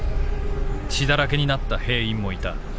血だらけになった兵員も居た。